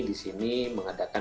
di sini mengadakan